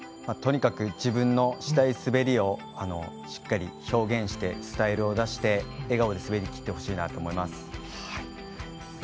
とにかく自分のしたい滑りをしっかり表現してスタイルを出して笑顔で滑りきってほしいなと思います。